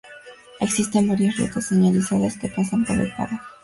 Existen varias rutas señalizadas que pasan por el paraje.